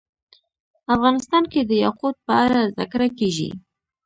افغانستان کې د یاقوت په اړه زده کړه کېږي.